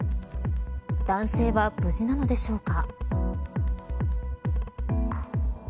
男性は無事なのでしょうか。